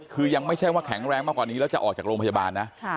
คือยังไม่ใช่ว่าแข็งแรงมากกว่านี้แล้วจะออกจากโรงพยาบาลนะ